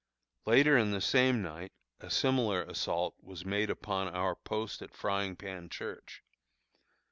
Later in the same night a similar assault was made upon our post at Frying Pan Church.